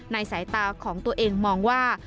สายตาของตัวเองมองว่า